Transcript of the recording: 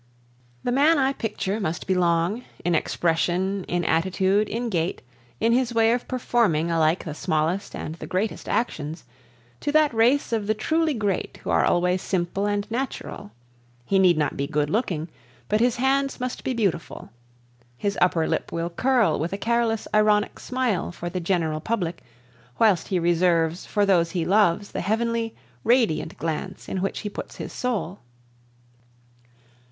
"The man I picture must belong, in expression, in attitude, in gait, in his way of performing alike the smallest and the greatest actions, to that race of the truly great who are always simple and natural. He need not be good looking, but his hands must be beautiful. His upper lip will curl with a careless, ironic smile for the general public, whilst he reserves for those he loves the heavenly, radiant glance in which he puts his soul."